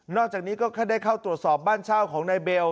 อกจากนี้ก็ได้เข้าตรวจสอบบ้านเช่าของนายเบล